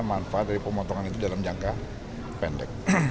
manfaat dari pemotongan itu dalam jangka pendek